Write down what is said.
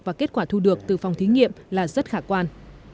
và kết quả thu được từ phòng thí nghiệm là rất khả quan